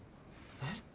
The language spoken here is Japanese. えっ？